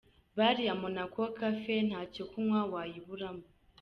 Bar ya Monaco cafe ntacyo kunywa wayiburamo.